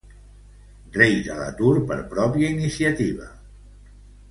Reis a l'atur per pròpia iniciativa.